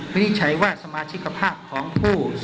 วินิจฉัยว่าสมาชิกภาพ